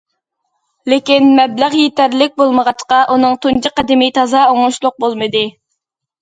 لېكىن مەبلەغ يېتەرلىك بولمىغاچقا، ئۇنىڭ تۇنجى قەدىمى تازا ئوڭۇشلۇق بولمىدى.